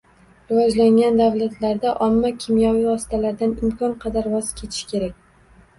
Rivojlangan davlatlarda omma kimyoviy vositalardan imkon qadar voz kechish kerak